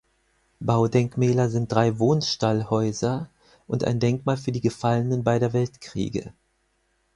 Baudenkmäler sind drei Wohnstallhäuser und ein Denkmal für die Gefallenen beider Weltkriege.